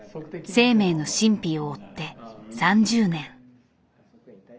生命の神秘を追って３０年。